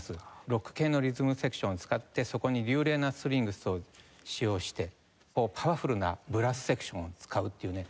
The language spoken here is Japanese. ロック系のリズムセクションを使ってそこに流麗なストリングスを使用してパワフルなブラスセクションを使うっていうね